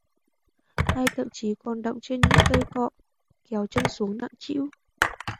Hay thậm chí còn đọng trên những cây cọ, kéo thân xuống nặng trĩu